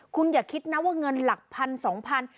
คุณอย่าคิดนะว่าเงินหลักพันสองพัน